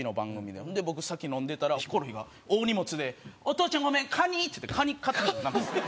ほんで僕先飲んでたらヒコロヒーが大荷物で「お父ちゃんごめん。カニ！」って言ってカニ買ってきたんですよ。